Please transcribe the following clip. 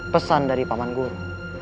pesan dari paman guru